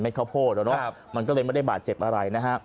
เม็ดข้าวโพ้เนอะนะครับมันก็เลยไม่ได้บาดเจ็บอะไรนะฮะ